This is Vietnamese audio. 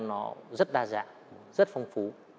nó rất đa dạng rất phong phú